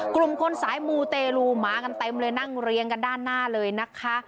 กลุ่มคนสายมูเตรลูมากันเต็มเลยนั่งเรียงกันด้านหน้าเลยนะคะ